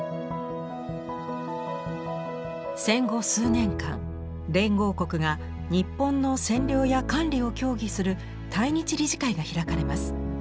戦後数年間連合国が日本の占領や管理を協議する対日理事会が開かれます。